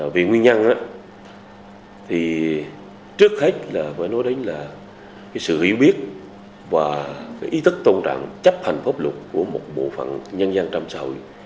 vì nguyên nhân trước hết phải nói đến sự hiểu biết và ý thức tôn trạng chấp hành pháp luật của một bộ phận nhân dân trong xã hội